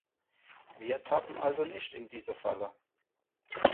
Wir tappen also nicht in diese Falle.